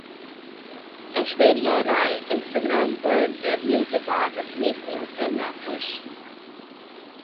Aishwarya Rai Instagram پر debut کے بعد اپنی ٹیم سے ناخوش